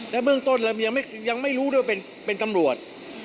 เบื้องต้นเรายังไม่รู้ด้วยว่าเป็นตำรวจ